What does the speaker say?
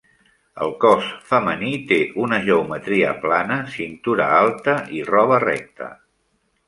El cos, femení, té una geometria plana, cintura alta i roba recta.